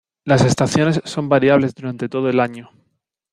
Las estaciones son variables durante todo el año.